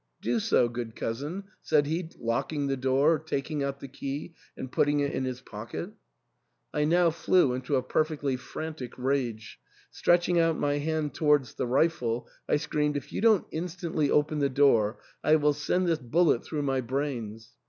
"Do so, good cousin," said he, locking the door, taking out the key, and put ting it in his pocket. I now flew into a perfectly fran tic rage ; stretching out my hand towards the rifle, I screamed, " If you don't instantly open the door I will send this bullet through my brains."